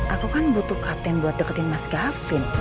aku kan butuh kapten buat deketin mas gavin